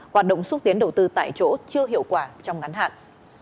hoạt động xúc tiến đầu tư tại chỗ chưa hiệu quả trong ngắn hạn